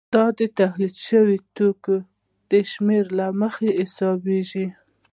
دا د تولید شویو توکو د شمېر له مخې حسابېږي